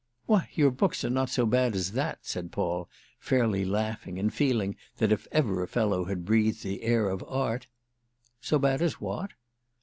"Why your books are not so bad as that," said Paul, fairly laughing and feeling that if ever a fellow had breathed the air of art—! "So bad as what?"